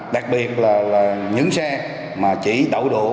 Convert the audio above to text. đặc biệt là những xe mà chỉ đậu đỗ